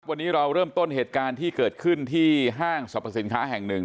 วันนี้เราเริ่มต้นเหตุการณ์ที่เกิดขึ้นที่ห้างสรรพสินค้าแห่งหนึ่ง